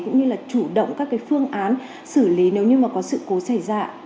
cũng như là chủ động các phương án xử lý nếu như có sự cố xảy ra